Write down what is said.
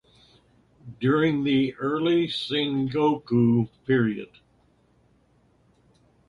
During the early Sengoku period.